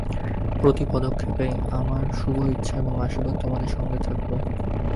প্রতি পদক্ষেপেই আমার শুভ ইচ্ছা এবং আশীর্বাদ তোমাদের সঙ্গে সঙ্গে থাকবে।